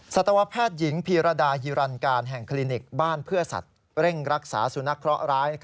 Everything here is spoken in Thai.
สัตวแพทย์หญิงพีรดาฮิรันการแห่งคลินิกบ้านเพื่อสัตว์เร่งรักษาสุนัขเคราะห์ร้าย